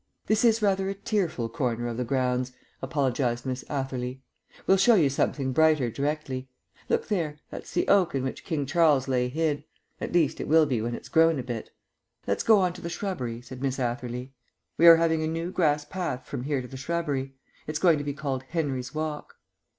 "This is rather a tearful corner of the grounds," apologized Miss Atherley. "We'll show you something brighter directly. Look there that's the oak in which King Charles lay hid. At least, it will be when it's grown a bit." "Let's go on to the shrubbery," said Mrs. Atherley. "We are having a new grass path from here to the shrubbery. It's going to be called Henry's Walk."